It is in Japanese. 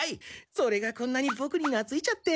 それがこんなにボクになついちゃって。